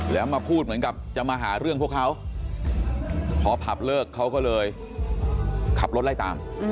แล้วมาพูดเหมือนกับจะมาหาเรื่องพวกเขาพอผับเลิกเขาก็เลยขับรถไล่ตาม